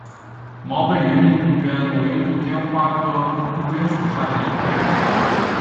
毛背云雾杜鹃为杜鹃花科杜鹃属下的一个变种。